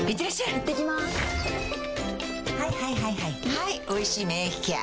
はい「おいしい免疫ケア」